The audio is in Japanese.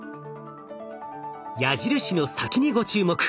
矢印の先にご注目。